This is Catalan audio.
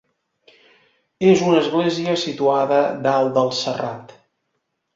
És una església situada dalt del serrat.